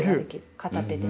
片手で。